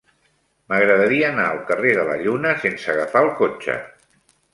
M'agradaria anar al carrer de la Lluna sense agafar el cotxe.